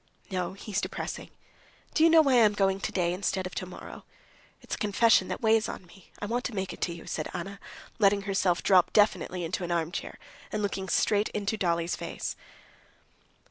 "No, he's depressing. Do you know why I'm going today instead of tomorrow? It's a confession that weighs on me; I want to make it to you," said Anna, letting herself drop definitely into an armchair, and looking straight into Dolly's face.